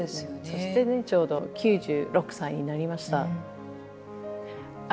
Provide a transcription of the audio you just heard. そしてねちょうど９６歳になりました。